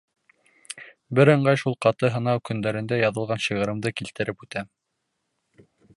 Бер ыңғай шул ҡаты һынау көндәрендә яҙылған шиғырымды килтереп үтәм.